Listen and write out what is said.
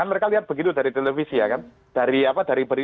mereka lihat begitu dari televisi ya kan